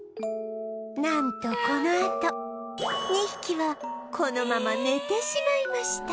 なんとこのあと２匹はこのまま寝てしまいました